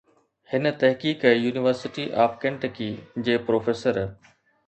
هن تحقيق university of Kentucky جي پروفيسر